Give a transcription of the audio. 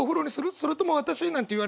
それとも私？なんて言われてさ